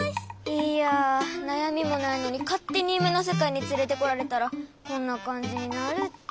いやなやみもないのにかってにゆめのせかいにつれてこられたらこんなかんじになるって。